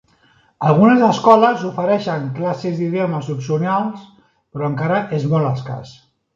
Algunes escoles ofereixen classes d'idiomes opcionals, però encara és molt escàs.